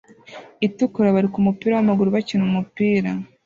itukura bari kumupira wamaguru bakina umupira